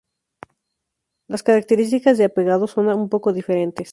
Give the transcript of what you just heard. Las características de apagado son un poco diferentes.